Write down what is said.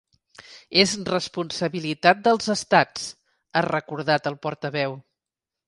“És responsabilitat dels estats”, ha recordat el portaveu.